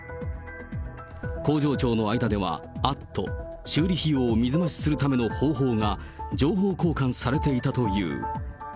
工場長の間では、アット・修理費用を水増しするための方法が情報交換されていたという。